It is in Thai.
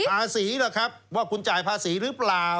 ภาษีล่ะครับว่าคุณจ่ายภาษีหรือเปล่า